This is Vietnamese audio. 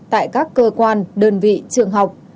tại các cơ quan đơn vị trường học